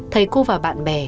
thầy cô và bạn bè